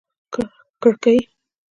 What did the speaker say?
کړکۍ